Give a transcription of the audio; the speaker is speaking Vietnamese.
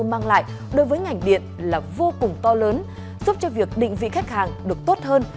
mang lại đối với ngành điện là vô cùng to lớn giúp cho việc định vị khách hàng được tốt hơn